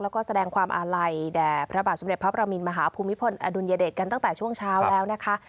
แล้วก็แสดงความอาลัยแด่พระบาทสมเด็จพระประมินมหาภูมิพลอดุลยเดชกันตั้งแต่ช่วงเช้าแล้วนะคะ